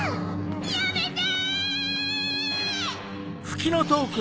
やめて！